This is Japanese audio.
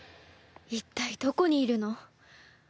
一体どこにいるの？